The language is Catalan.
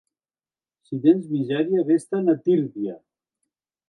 Si tens misèria, ves-te'n a Tírvia.